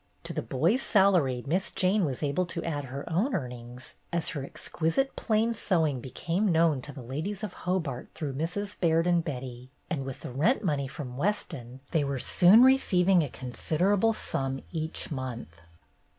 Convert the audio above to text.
To the boys' salary Miss Jane was able to add her own earnings as her exquisite plain sew ing became known to the ladies of Hobart through Mrs. Baird and Betty, and with the rent money from Weston they were soon re ceiving a considerable sum each month.